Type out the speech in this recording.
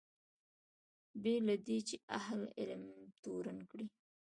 بې له دې چې اهل علم تورن کړي.